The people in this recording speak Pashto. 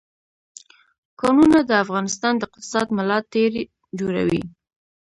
کانونه د افغانستان د اقتصاد ملا تیر جوړوي.